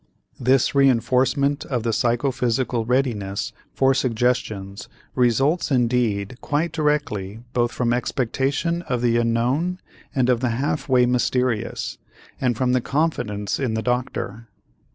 This reënforcement of the psychophysical readiness for suggestions results indeed quite directly both from expectation of the unknown and of the half way mysterious, and from the confidence in the doctor.